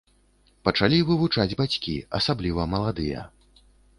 Пачалі вывучаць бацькі, асабліва маладыя.